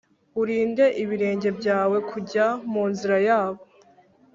, Urinde ibirenge byawe kujya mu nzira yabo,